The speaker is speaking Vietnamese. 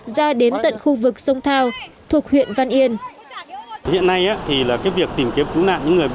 ra đến tận khu vực sông thao thuộc huyện văn yên